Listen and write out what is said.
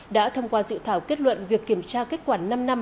đã thông qua dự thảo kết luận việc kiểm tra kết quả năm năm